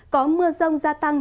có mưa rông gia tăng